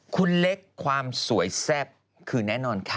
คุณเล็กความสวยแซ่บคือแน่นอนค่ะ